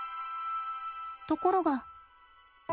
ところが。